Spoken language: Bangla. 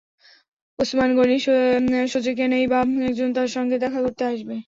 ওসমান গনি সোজে কেনই বা একজন তাঁর সঙ্গে দেখা করতে আসবে?